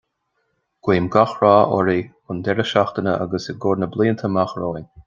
Guím gach rath oraibh don deireadh seachtaine agus i gcomhair na mblianta amach romhainn